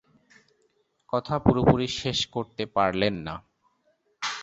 কথা পুরোপুরি শেষ করতে পারলেন না।